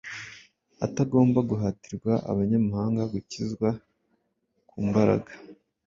atagomba guhatirwa Abanyamahanga gukizwa kumbaraga